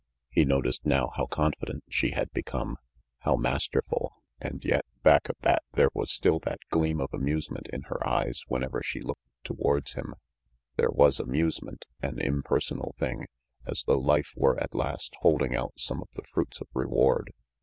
He noticed now how confident she had become, how masterful, and yet, back of that, there was still that gleam of amuse ment in her eyes whenever she looked towards him. There was amusement, an impersonal thing, as though life were at last holding out some of the fruits of reward.